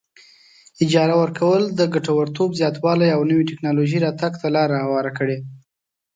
اجاره ورکول د ګټورتوب زیاتوالي او نوې ټیکنالوجۍ راتګ ته لار هواره کړي.